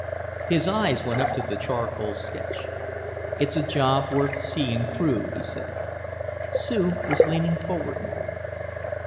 His eyes went up to the charcoal sketch. "It's a job worth seeing through," he said. Sue was leaning forward now.